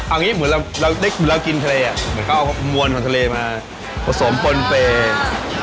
อันนี้เหมือนเรากินทะเลอะเหมือนก็เอามวลของทะเลมาผสมปลนเปรย์